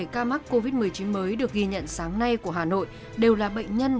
bảy ca mắc covid một mươi chín mới được ghi nhận sáng nay của hà nội đều là bệnh nhân